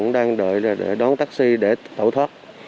đang đợi đón taxi để tẩu thoát